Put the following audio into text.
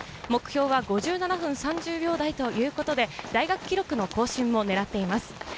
目標は５７分３０秒台ということで大学記録の更新も狙っています。